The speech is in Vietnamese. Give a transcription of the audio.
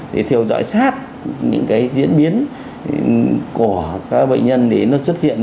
để theo dõi sát những cái diễn biến của các bệnh nhân để nó xuất hiện